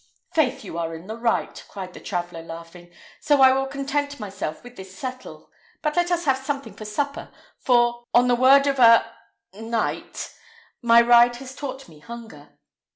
" "Faith, you are in the right," cried the traveller, laughing; "so I will content myself with this settle. But let us have something for supper; for, on the word of a knight, my ride has taught me hunger."